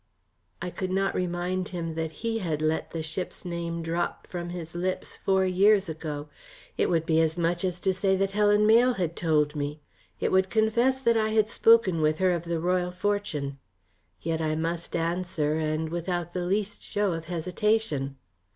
_" I could not remind him that he had let the ship's name drop from his lips four years ago. It would be as much as to say that Helen had told me. It would confess that I had spoken with her of the Royal Fortune. Yet I must answer, and without the least show of hesitation.